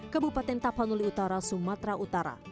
kabupaten tapanuli utara sumatera utara